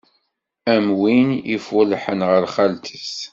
Am win iffullḥen ar xalt-is.